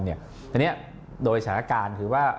อันนี้โดยสถานการณ์คือว่า